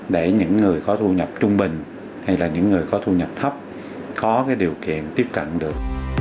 để những người có thu nhập trung bình hay là những người có thu nhập thấp có điều kiện tiếp cận được